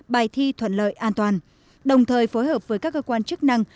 bài thi thuận lợi an toàn đồng thời phối hợp với các cơ quan chức năng